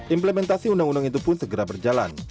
implementasi undang undang itu pun segera berjalan